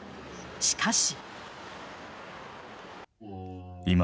しかし。